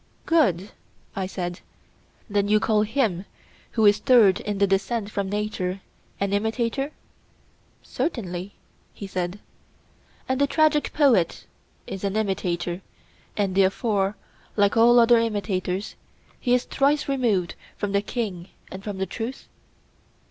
Good, I said; then you call him who is third in the descent from nature an imitator? Certainly, he said. And the tragic poet is an imitator, and therefore, like all other imitators, he is thrice removed from the king and from the truth?